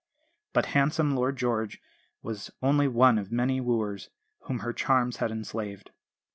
But handsome Lord George was only one of many wooers whom her charms had enslaved.